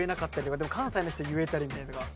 でも関西の人言えたりみたいなのが。